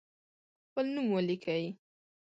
خپل نوم ولیکئ.